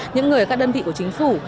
những người các đơn vị của chính phủ